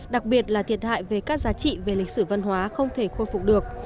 đặc biệt là thiệt hại về các giá trị về lịch sử văn hóa không thể khôi phục được